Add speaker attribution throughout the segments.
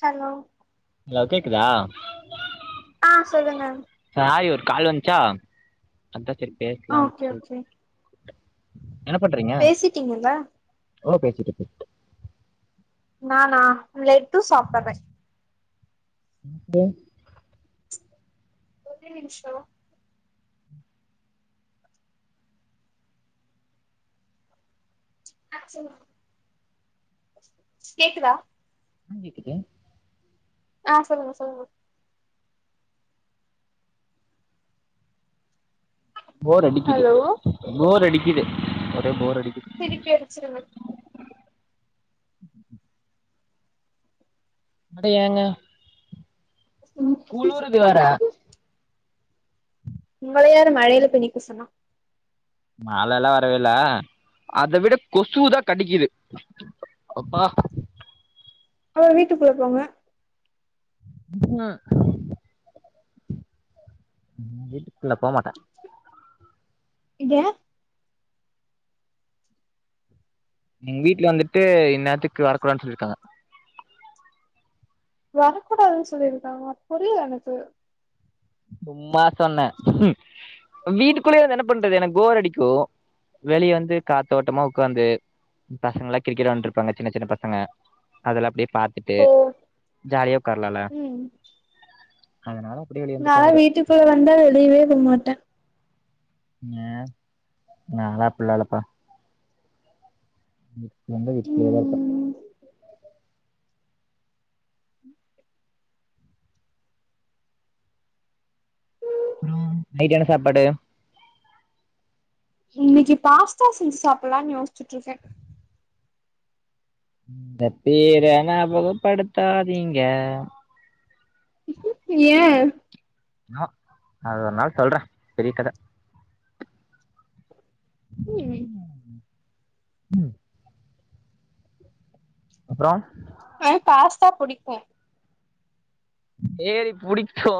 Speaker 1: Hello
Speaker 2: நல்லா கேக்குதா
Speaker 1: அ சொல்லுங்க
Speaker 2: சாரி ஒரு கால் வந்துச்சா அதன் சரி பேசலாம் சொல்
Speaker 1: பேசிட்டீங்கல
Speaker 2: ஒ பேசிட்டுருக்கு
Speaker 1: நன்னா லட்டு சாப்பிடுறன்
Speaker 2: ம்
Speaker 1: ஒரு நிமிஷம் கேக்குதா
Speaker 2: அ கேக்கிது
Speaker 1: ஆ சொல்லுங்கோ சொல்லுங்கோ
Speaker 2: போர் அடிக்கிது
Speaker 1: ஹலோ
Speaker 2: போர் அடிக் கிது போர் அடிக்
Speaker 1: திருப்பி அடிச்சிருவ
Speaker 2: அட ஏங்க குளுருது வேற
Speaker 1: உங்கள யாரு மழையில போய் நிக்க சொன்னா
Speaker 2: மழை எல்லா வரவே இல்ல அத விட கொசுதான் கடிக்குது அப்பா
Speaker 1: அவ வீட்டுக்குள்ள போங்க
Speaker 2: வீட்டுக்குள்ள போகமாட்டன்
Speaker 1: [unintelligible]
Speaker 2: எங்க வீட்ல வந்துட்டு இந் நேரத்துக்கு வரக்கூடாதுனு சொல்லிருக்காங்க
Speaker 1: வரக்கூடாதுனு சொல்லிருக்காங்களா புரில எனக்கு
Speaker 2: சும்மா சொன்னேன் ம் வீட்டுக்குள்ளயே வந்து என்ன பண்றது எனக்கு போர் அடிக்கும் வெளில வந்து காத்தோட்டமா உக்காந்து பசங்க எல்லா கிரிக்கெட் வெளையாண்டு இருப்பாங்க சின்ன சின்ன பசங்க அதெல்லா அப்டியே பாத்திட்டு
Speaker 1: ஓ
Speaker 2: ஜாலியா உக்காரலால்ல
Speaker 1: ம்
Speaker 2: அதனால அப்டிய வெளிய வந்து
Speaker 1: நா
Speaker 2: உக்காந்துரு
Speaker 1: வீட்டுக்குள்ள வந்து வெளியவே போமாட்டன்
Speaker 2: ம் நாலாம் அப்டி இல்லப்பா ம் எங்க வீட்லயே தா இருப்பேன்
Speaker 1: ம்
Speaker 2: அப்றோ நைட் என்ன சாப்பாடு
Speaker 1: இன்னைக்கு பாஸ்தா செஞ்சி சாப்டலானு யோசிட்டு இருக்கேன்
Speaker 2: இந்த பேர ஞாபக படுத்தாதீங்க
Speaker 1: ஏன்
Speaker 2: ஆ அது ஒரு நாள் சொல்றேன் பெரிய கதை
Speaker 1: ம்
Speaker 2: ம் அப்றோ
Speaker 1: ஆ பாஸ்தா புடிக்கும்
Speaker 2: ஏரி புடிக்சோ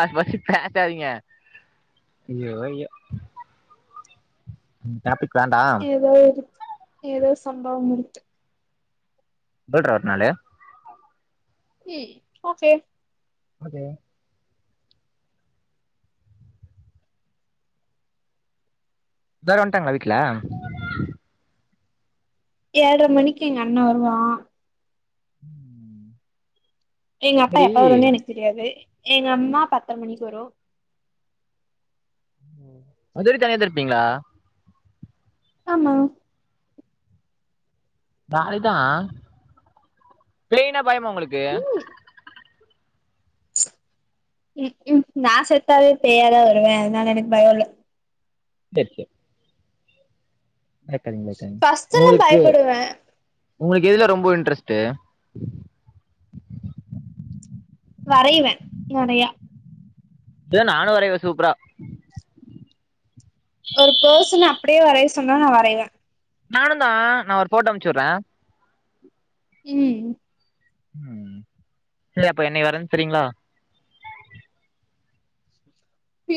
Speaker 2: அது பத்தி பேசாதீங்க இயோ ஐயோ [unintelligible]
Speaker 1: ஏதோவுது ஏதோ சம்பவம் முடுத்து
Speaker 2: [unintelligible]
Speaker 1: இ ஓகே
Speaker 2: அத இதாரு வந்துட்டாங்குளா வீட்ல
Speaker 1: ஏழ்ர மணிக்கு எங் அண்ணா வருவா
Speaker 2: உம்
Speaker 1: எங்க அப்பா எப்ப வருன்னு எனக் தெரியாது எங்க அம்மா பத்தர மணிக்கு வரோ
Speaker 2: உம் அது வரிக் தனியாத இருப்பீங்களா
Speaker 1: ஆமா
Speaker 2: பால்தா ப்ளேயினா பயிமா உங்குளுக்கு
Speaker 1: ம் ம் ம் நா செத்தாவே பேயாதா வருவே அதுனால எனக் பயோல்ல
Speaker 2: தெற்க்கு
Speaker 1: பஸ்ட்டுல்லா பயப்பிடுவே
Speaker 2: உங்குளுக் எதுல ரொம்ப இன்ட்ரெஸ்ட்டு
Speaker 1: வரைவே நெறையா
Speaker 2: ஏ நானு வரைவே சூப்ரா
Speaker 1: ஓர் போஸ்சுனா அப்டியே வரையஸ் சொன்னா நா வரையிவே
Speaker 2: நானுந்தா நா ஒர் போட்டா அமுச்சுர்றே
Speaker 1: உம்
Speaker 2: உம் [unintelligible] அப்ப என்னை வரைஞ் தெரிங்ளா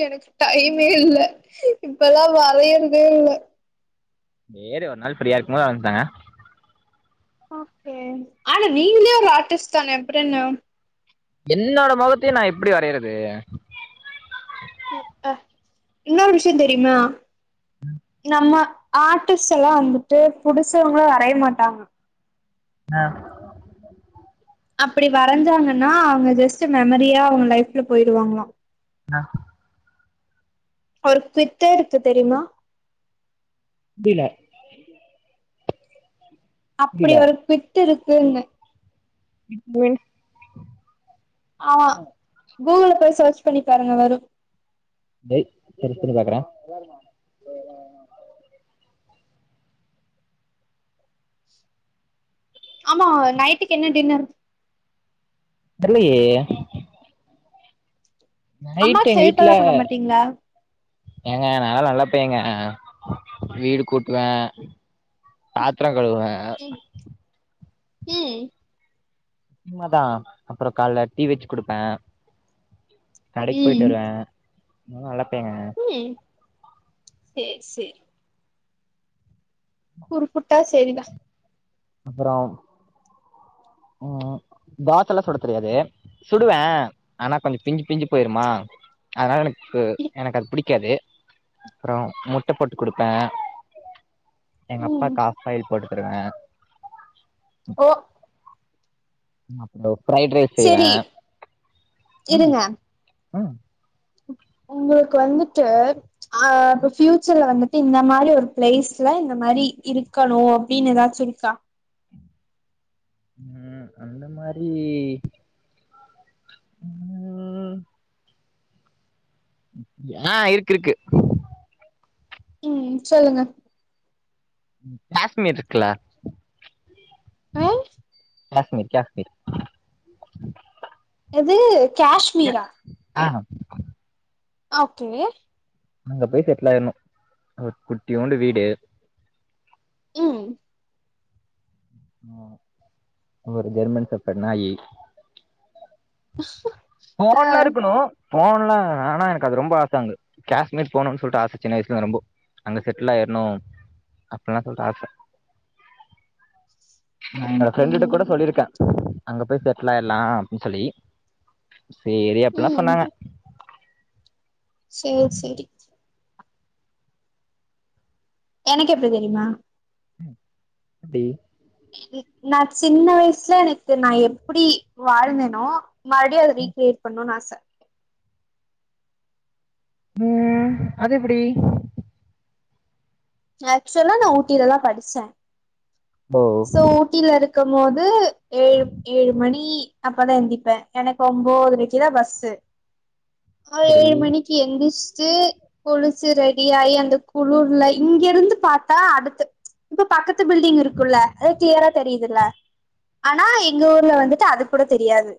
Speaker 1: எனக் டைமே இல்ல இப்பல்லா வரையறதே இல்ல
Speaker 2: சேரி ஒரு நாள் ப்ரீயா இருக்கு போது வரஞ்தாங்க
Speaker 1: ஓகே ஆனா நீங்கிளயே ஒரு ஆர்டிஸ் தானே அப்புறயென்னம்
Speaker 2: என்னோட மொகத்தைய நா எப்டி வரையிறதே
Speaker 1: என்னொரு விஷ்ய தெரியுமா நம்ம ஆர்டிஸ் எல்லா வந்துட்டு புடிசவங்களா வரைய மாட்டாங்
Speaker 2: அ
Speaker 1: அப்பிடி வரைஞ்சாங்கன்னா அவங்க ஜெஸ்ட் மெமரியா அவுங்க லைஃப்ல போயிருவாங்குளா
Speaker 2: நா
Speaker 1: ஒரு பித்தேதுக்கு தெரியுமா
Speaker 2: [unintelligible]
Speaker 1: அப்பிடி
Speaker 2: புரில
Speaker 1: ஒர் பித் ட்டு இருக்குன்னு
Speaker 2: [unintelligible]
Speaker 1: ஆ கூகுள போய் ஷர்ச் பண்ணி பாருங்க வரு
Speaker 2: டேய் செரி பண்ணி பாக்குறே
Speaker 1: ஆமா நைட்டுக்கு என்ன டின்னர்?
Speaker 2: தெர்லயே நைட்டு்
Speaker 1: அம்மாக்கு
Speaker 2: எங்க
Speaker 1: ஹெல்ப்
Speaker 2: வீட்ல
Speaker 1: எல்லா பண்ண மாட்டீங்களா
Speaker 2: ஏங்க நான்லா நல்லா ப்பேங்க வீடு கூட்டுவே பாத்ரோ கழுவுவே
Speaker 1: ம் ம்
Speaker 2: உண்மதா அப்றோ கால்ல டீ வச்சு குடுப்பே கடைக்கி போயிட்டு
Speaker 1: ம்
Speaker 2: வருவே ஆ வலப்பேங்க
Speaker 1: ம் சேரி சேரி உருப்புட்டா சேரிதா
Speaker 2: அப்பறோ ம் தோசல்லா சுட தெரியாது சுடுவ ஆனா கொஞ்சோ பிஞ்சு பிஞ்சு போயிருமா அதனால எனக்கு எனக்கு அது புடிக்காது அப்பறோ முட்ட போட்டு குடுப்ப எங்க
Speaker 1: ம்
Speaker 2: அப்பாக்கு ஆஃப்பாயில் போட்டு த்துடுவ
Speaker 1: ஓ
Speaker 2: [unintelligible] பிரைட் ரைஸ் செய்வ
Speaker 1: சரி
Speaker 2: ம் ம்
Speaker 1: உங்களுக் கு வந்துட்டு ஆ பியூச்சர்ல வந்துட் டு இந்த மாரி ஒரு பிளேஸ்ல இந்த மாரி இருக்கணு அப்டின்னு ஏதாச்சு இருக்கா
Speaker 2: ம் அந்த மாரி ம் அப்டியா ஆ இருக்கு இருக்கு
Speaker 1: ம் சொல்லுங்க
Speaker 2: கேஷ்மீர் இருக்குல
Speaker 1: ம்
Speaker 2: கேஷ்மீர் கேஷ்மீர்
Speaker 1: எது கேஷ்மீரா
Speaker 2: ஆ
Speaker 1: ஓகே
Speaker 2: அங்க போய் செட்லாயிரனு குட்டியூண்டு வீடு
Speaker 1: ம்
Speaker 2: அ ஒரு ஜெர்மன் ஷெப்பர்ட்டு நாயி
Speaker 1: [inaudible] ஆ
Speaker 2: ஃபோன்லா இருக்கணு ஃபோன்ல்லா ஆனா எனக்கு அது ரொம்ப ஆச அங்க கேஷ்மீர் போணுன்னு சொல்ட்டு ஆச சின்ன வயசுலருந்து ரொம்போ அங்க செட்லாயிரணு அப்படெல்லா சொல்ட்டு ஆச
Speaker 1: ம்
Speaker 2: என்னோட ஃப்ரெண்டுட்ட கூட
Speaker 1: ம்
Speaker 2: சொல்லியிருக்க அங்க போய் செட்லாயிருலா அப்படின்னு சொல்லி சேரி அப்படெல்லா
Speaker 1: ம்
Speaker 2: சொன்னாங்க
Speaker 1: சேரி சேரி எனக்கு எப்படி தெரியுமா
Speaker 2: ம் எப்டி
Speaker 1: நா சின்ன வயசுல எனக்கு நா எப்டி வாழ்ந்தனோ மறுவடி அத ரீக்கிரியேட் பண்ணுன் ஆச
Speaker 2: ம் அது எப்படி
Speaker 1: ஆக்சுவலா நா ஊட்டிலதா படிச்ச
Speaker 2: ஓ
Speaker 1: சோ ஊட்டில இருக் இருக்கும் போது ஏழு ஏழு மணி அப்பதா எந்திப்ப எனக்கு ஒம்போதுரைக்குதா பஸ்ஸு ஆ ஒரு
Speaker 2: சரி
Speaker 1: ஏழு மணிக்கு எந்துச் ச்சு குளுச்சு ரெடி ஆயி அந்த குளுர்ல இங்க இருந்து பாத்தா அடுத்து இப்ப பக்கத் து பில்டிங் இருக்குல்ல கிளியரா தெரியுதுல ஆனா எங்க ஊர்ல வந்துட்டு அது கூட தெரியாது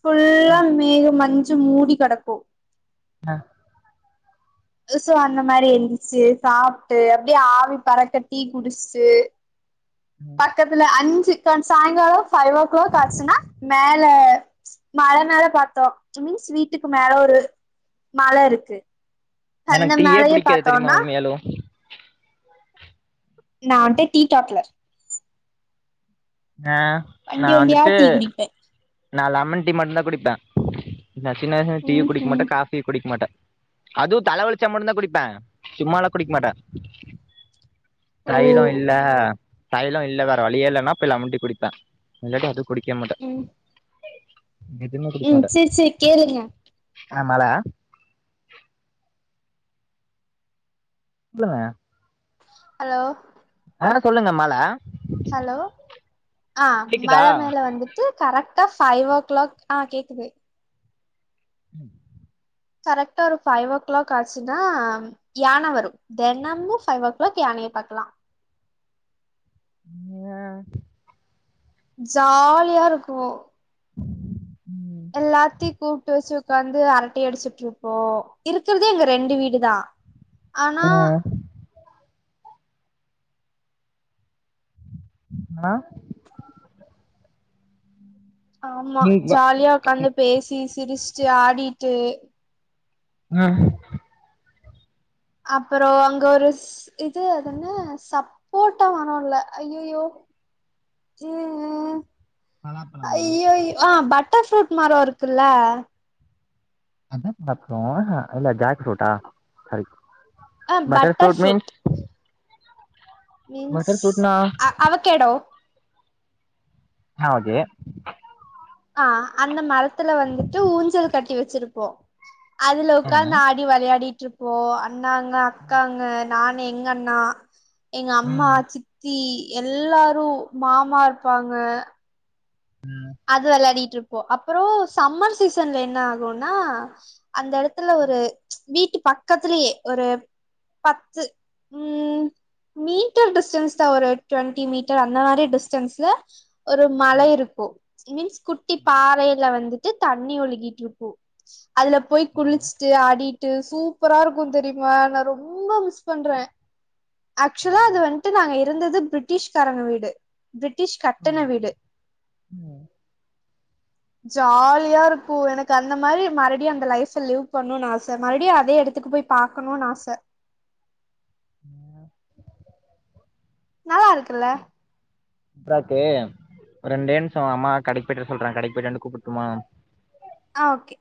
Speaker 1: ஃபுல்லா மேக மஞ் சூ மூடி கெடக்கு
Speaker 2: அ
Speaker 1: சோ அந்த மாரி எந்துருச்சு சாப்ட்டு அப்படியே ஆவி பறக்க டீ குடுச்சுட்டு பக்கத்துல அஞ்சு கன் சாங்காலோ ஃபைவ் ஓ கிளாக் ஆச்சுன்னா மேல மல மேல பாத்தோ விச் மீன்ஸ் வீட்டுக்கு மேல ஒரு மல இருக்கு அந்த
Speaker 2: எனக்கு டீயே
Speaker 1: மலைய
Speaker 2: புடிக்காது தெரிமா
Speaker 1: பாத்தோன்னா
Speaker 2: உண்மையாலு
Speaker 1: நா உண்ட டீ கேக்ல
Speaker 2: ஆ நா
Speaker 1: வண்டி வண்டியா
Speaker 2: வந்துட்டு
Speaker 1: டீ குடிப்பே
Speaker 2: நா லெமன் டி மட்டுதா குடிப்ப நா சின்ன வயசுலருந்து டீயு
Speaker 1: ம்
Speaker 2: குடிக்க மாட்ட
Speaker 1: ம்
Speaker 2: காபியு குடிக்க மாட்ட அது தலவலுச்சா மட்டுதா குடிப்ப சும்மலா குடிக்கமாட்ட
Speaker 1: ஓ
Speaker 2: தைலோ இல்ல தைலோ இல்ல வேற வழியே இல்லன்னா போய் லெமன் டீ குடிப்ப இல்லாட்டி அது குடிக்கமாட்ட
Speaker 1: ம் ம் சேரி சேரி கேளுங்க
Speaker 2: அ மல சொல்லுங்க
Speaker 1: அலோ
Speaker 2: ஆ சொல்லுங்க மல
Speaker 1: அலோ ஆ
Speaker 2: கேக்குதா
Speaker 1: மல மேல வந்துட்டு கரெக் ட்டா ஃபைவ் ஓ கிளாக் ஆ கேக்குது
Speaker 2: ம்
Speaker 1: கரெக்டா ஒரு ஃபைவ் ஓ கிளாக் ஆச்சுன்னா யான வரு தெனமு ஃபைவ் ஓ கிளாக் யானைய பாக்கலா
Speaker 2: [unintelligible]
Speaker 1: ஜாலியா இருக்கு எல்லாத்தயு கூப்டு வச்சு உக்காந்து அரட்டை அடிச்சுட்டுருப்போ இருக்குறதே எங்க ரெண்டு வீடுதா ஆனா
Speaker 2: ஆ ஆ
Speaker 1: ஆமா
Speaker 2: நீங்க
Speaker 1: ஜாலியா உக்காந்து பேசி சிரிச் ச்சு ஆடிட்டு
Speaker 2: ஹ
Speaker 1: அப்பறோ அங்க ஒரு இது அதென்ன சப்போட்டா மரோல்ல ஐயையோ ம்ம்
Speaker 2: பலாப்பழமா
Speaker 1: ஐயையோ ஆ பட் [unintelligible] மரோ இருக்குல்ல
Speaker 2: அதா பக்கோ இல்ல ஜாக் ஃபுரூட்டா
Speaker 1: ஆ பட்டர் ஃபுரூட் மீன்ஸ்
Speaker 2: பட்டர் ஃப்ரூட்னா
Speaker 1: அ அவக்கேடோ
Speaker 2: அ ஓகே
Speaker 1: ஆ அந்த மரத்துல வந்துட்டு ஊஞ்சல் கட்டி வச்சுருப்போ அதுல
Speaker 2: ஆ
Speaker 1: உக்காந்து ஆடி வெளையாடி ட்ருப்போ அண்ணாங்க அக்காங்க நானு எங்கண்ணா எங்க அம்மா
Speaker 2: ம்
Speaker 1: சித்தி எல்லாரு மாமா இருப்பாங்க அது வெளாடிட்டிருப் ப்போ அப்பறோ சம்மர் சீசன்ல என்னாகுனா அந்த எடத்துல ஒரு ம்ச் வீட்டு பக்கத்துலயே ஒரு பத்து ம் மீட்டர் டிஸ்டன்ஸ்தா ஒரு டுவெண்ட்டி மீட்டர் அந்த மாரி டிஸ்டன்ஸ்ல ஒரு மலை இருக்கு ஸ்கிமீன்ஸ் குட்டி பாறையில வந்து டு தண்ணி ஒழுகிட்டுருப்போ அதுல போய்
Speaker 2: ம்
Speaker 1: குளுச்சுட்டு ஆடி டு சூப்பரா இருக்கு தெரியுமா நா ரொம்ப மிஸ் பண்ற ஆக்சுவலா அது வன்ட்டு நாங்க எ இருந்தது பிரிட்டிஷ்காரங்க வீடு பிரிட்டிஷ் கட்டுண வீடு ஜாலியா இருக்கு எனக்கு அந்த மாரி மறுவுடியு அந்த லைஃப் லீவ் பண்ணுன் ஆச மறுவுடியு அதே எடத்துக்கு போய் பாக்கணுன் ஆச
Speaker 2: ம்
Speaker 1: நல்லா இருக்குல்ல
Speaker 2: ப்ராக்கு ஒரு ரெண்டே நிம்ஷோ அம்மா கடைக்கு போய்ட்டு வர சொல்றங்க கடைக்கு போய்ட்டு வந்து கூப்புட்டுமா
Speaker 1: ஆ ஓகே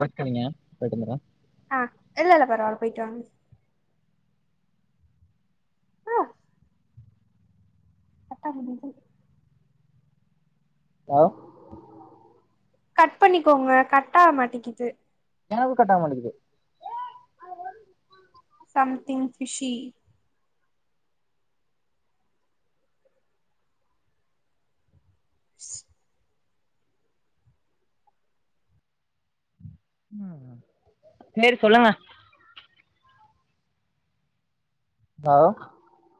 Speaker 2: கோச்சுக்காதீங்க போய்ட்டு வந்துற
Speaker 1: ஆ இல்ல இல்ல பரவால போயிட்டு வாங்க கட்டா முடிஞ்சு
Speaker 2: லோ
Speaker 1: கட் பண்ணிக்கோங்க கட் ஆவ மாட்டிங்குது
Speaker 2: எனக்கு கட்டாவமாட்டீங்குது
Speaker 1: சம்திங் ஃபிஸ்ஷி [unintelligible]
Speaker 2: ம் சேரி சொல்லுங்க [unintelligible]